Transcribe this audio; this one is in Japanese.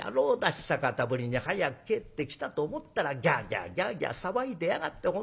久方ぶりに早く帰ってきたと思ったらギャーギャーギャーギャー騒いでやがって本当に。